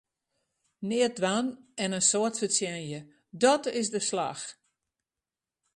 Neat dwaan en in soad fertsjinje, dàt is de slach!